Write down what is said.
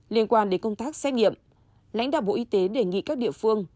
liên quan đến công tác xét nghiệm lãnh đạo bộ y tế đề nghị các địa phương